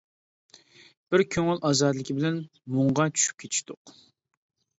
بىز كۆڭۈل ئازادىلىكى بىلەن مۇڭغا چۈشۈپ كېتىشتۇق.